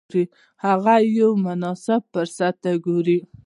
هغه یو مناسب فرصت ته ګوري.